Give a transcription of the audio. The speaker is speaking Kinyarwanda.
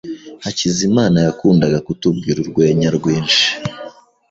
Hakizimana yakundaga kutubwira urwenya rwinshi.